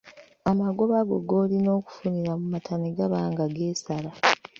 Amagoba go g’olina okufunira mu mata ne gaba nga geesala.